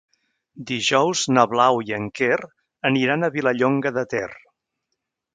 Dijous na Blau i en Quer aniran a Vilallonga de Ter.